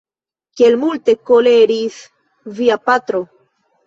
Kiel multe koleris via patro!